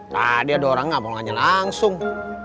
tadi ada orang gak mau nanya langsung